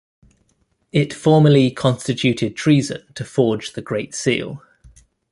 It formerly constituted treason to forge the Great Seal.